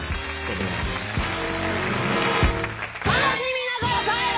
悲しみながら帰れ。